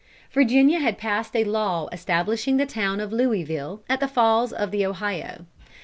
Virginia had passed a law establishing the town of Louisville, at the Falls of the Ohio.